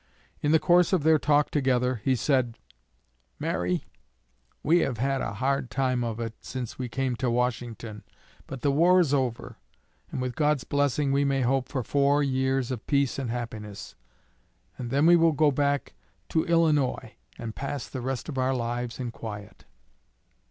In the course of their talk together, he said: "Mary, we have had a hard time of it since we came to Washington; but the war is over, and with God's blessing we may hope for four years of peace and happiness, and then we will go back to Illinois and pass the rest of our lives in quiet."